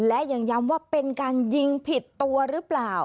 และยังย้ำว่าเป็นการยิงผิดตัวหรือเปล่า